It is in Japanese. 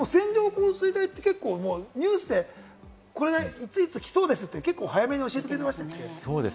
線状降水帯ってニュースでこれがいついつきそうですって結構早めに教えてくれたりしますよね。